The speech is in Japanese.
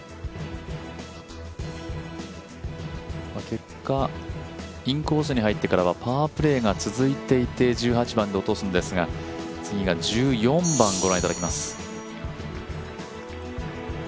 結果、インコースに入ってからパープレーが続いていて１８番で落とすんですが次が１４番です。